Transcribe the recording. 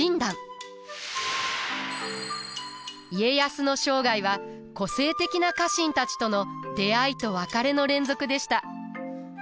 家康の生涯は個性的な家臣たちとの出会いと別れの連続でした。